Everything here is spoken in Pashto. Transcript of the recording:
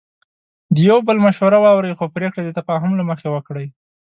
د یو بل مشوره واورئ، خو پریکړه د تفاهم له مخې وکړئ.